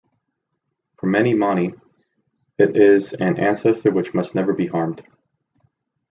For many Moni, it is an ancestor which must never be harmed.